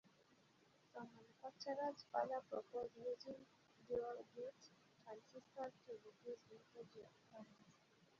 Some manufacturers further propose using "dual-gate" transistors to reduce leakage of current.